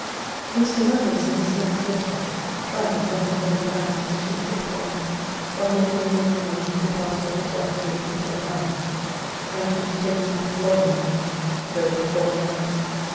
[Mr. Lovelace, in his next letter, triumphs on his having carried his two great points of making the Lady yield to pass for his wife to the people of the house, and to his taking up his lodging in it, though but for one night.